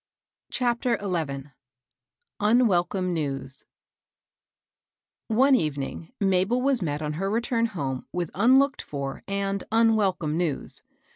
'* CHAPTER XL UNWELCOME NEWS, NE evening Mabel was met on her return home with unlooked for and unwelcome news.